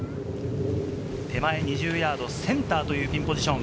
手前２０ヤード、センターというピンポジション。